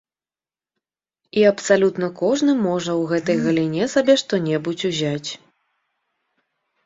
І абсалютна кожны можа ў гэтай галіне сабе што-небудзь узяць.